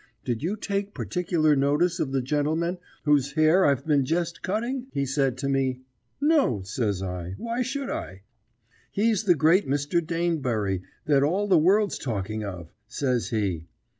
"Did you take particular notice of the gentleman whose hair I've been jest cutting?" he said to me. "No," says I; "why should I?" "He's the great Mr. Danebury that all the world's talking of," says he.